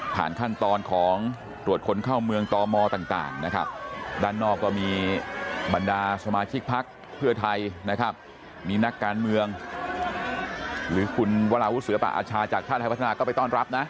ขั้นตอนของตรวจคนเข้าเมืองตมต่างนะครับด้านนอกก็มีบรรดาสมาชิกพักเพื่อไทยนะครับมีนักการเมืองหรือคุณวราวุศิลปะอาชาจากชาติไทยพัฒนาก็ไปต้อนรับนะ